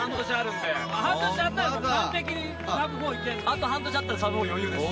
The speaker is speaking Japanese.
あと半年あったらサブ４余裕です。